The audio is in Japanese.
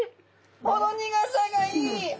ほろ苦さがいい！